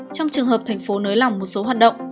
trong trường hợp thành phố nới lỏng một số hoạt động